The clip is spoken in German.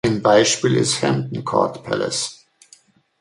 Ein Beispiel ist Hampton Court Palace.